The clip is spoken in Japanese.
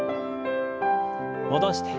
戻して。